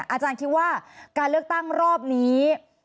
อาจารย์คิดว่าการเลือกตั้งรอบนี้